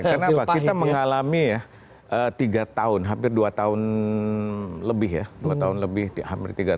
karena kita mengalami tiga tahun hampir dua tahun lebih